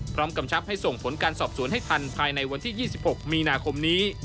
กำชับให้ส่งผลการสอบสวนให้ทันภายในวันที่๒๖มีนาคมนี้